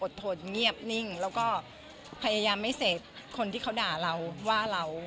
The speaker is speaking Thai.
ทนเงียบนิ่งแล้วก็พยายามไม่เสพคนที่เขาด่าเราว่าเรา